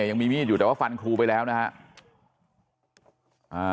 ยังมีมีดอยู่แต่ว่าฟันครูไปแล้วนะฮะ